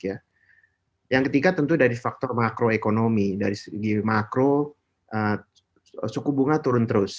yang ketiga tentu dari faktor makroekonomi dari segi makro suku bunga turun terus